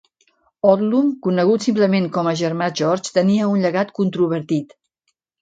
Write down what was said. Odlum, conegut simplement com a "germà George", tenia un llegat controvertit.